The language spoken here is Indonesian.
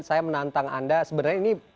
saya menantang anda sebenarnya ini